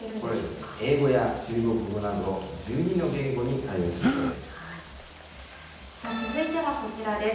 これですね、英語や中国語など、１２の言語に対応するそうで続いてはこちらです。